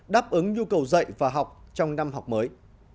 đáp ứng nhu cầu dạy và học trong năm học mới